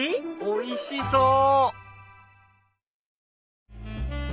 おいしそう！